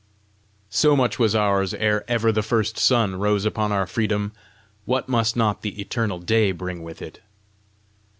So much was ours ere ever the first sun rose upon our freedom: what must not the eternal day bring with it!